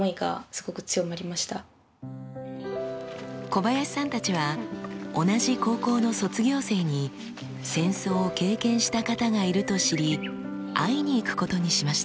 小林さんたちは同じ高校の卒業生に戦争を経験した方がいると知り会いに行くことにしました。